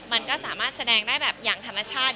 มันก็สามารถแสดงได้แบบอย่างธรรมชาติ